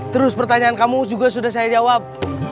terus pertanyaan kamu juga sudah saya jawab